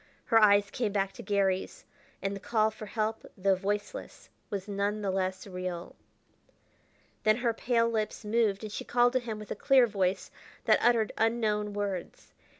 Her eyes came back to Garry's, and the call for help though voiceless was none the less real. Then her pale lips moved, and she called to him with a clear voice that uttered unknown words.